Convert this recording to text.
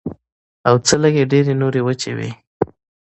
او څۀ لږې ډېرې نورې وجې وي